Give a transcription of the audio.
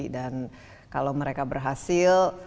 dan kalau mereka berhasil